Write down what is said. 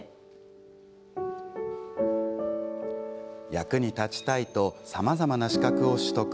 役に立ちたいとさまざまな資格を取得。